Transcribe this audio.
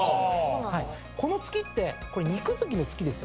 この月ってこれ。